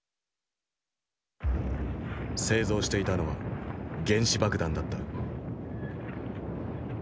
製造していたのは原子爆弾だった。